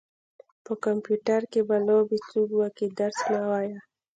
په کمپيوټر کې به لوبې څوک وکي درس مه وايه.